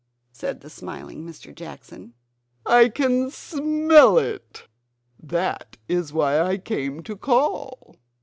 said the smiling Mr. Jackson, "I can SMELL it; that is why I came to call."